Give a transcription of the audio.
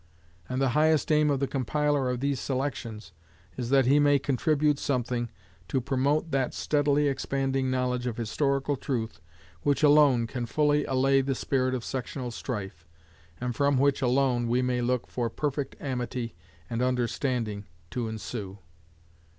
And the highest aim of the compiler of these selections is that he may contribute something to promote that steadily expanding knowledge of historical truth which alone can fully allay the spirit of sectional strife, and from which alone we may look for perfect amity and understanding to ensue.